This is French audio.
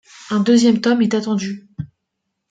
Un deuxième tome est attendu.